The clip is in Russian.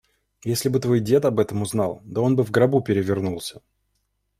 Если бы твой дед об этом узнал! Да он бы в гробу перевернулся!